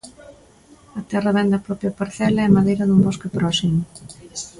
A terra vén da propia parcela e a madeira dun bosque próximo.